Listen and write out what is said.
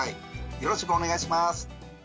よろしくお願いします。